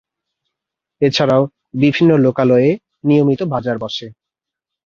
এছাড়াও বিভিন্ন লোকালয়ে নিয়মিত বাজার বসে।